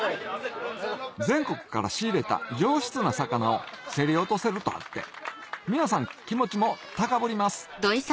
全国から仕入れた上質な魚を競り落とせるとあって皆さん気持ちも高ぶります